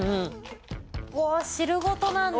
うわっ汁ごとなんだ。